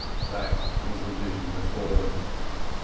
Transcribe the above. That was the vision before them.